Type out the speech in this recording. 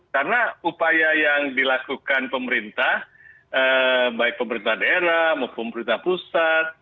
karena upaya yang dilakukan pemerintah baik pemerintah daerah maupun pemerintah pusat